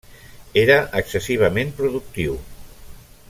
Era excessivament productiu.